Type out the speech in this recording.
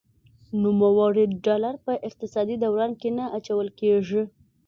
نوموړي ډالر په اقتصادي دوران کې نه اچول کیږي.